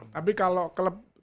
tapi kalau klub